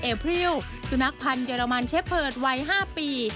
พริวสุนัขพันธ์เรมันเชฟเผิร์ดวัย๕ปี